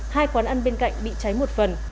hai quán ăn bên cạnh bị cháy một phần